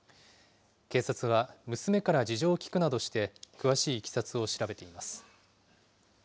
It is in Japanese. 警察は娘から事情を聴くなどして詳しいいきさつを調べています。